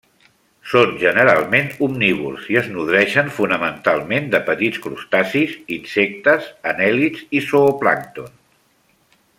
Són generalment omnívors i es nodreixen fonamentalment de petits crustacis, insectes, anèl·lids i zooplàncton.